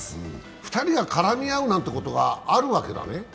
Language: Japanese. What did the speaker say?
２人が絡み合うなんてことがあるわけだね？